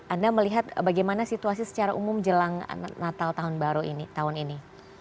anda melihat bagaimana situasi secara umum jelang natal tahun baru ini tahun ini